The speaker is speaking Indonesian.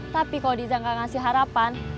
tapi kalau diza gak ngasih harapan